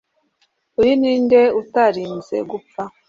Uyu ni nde utarinze gupfa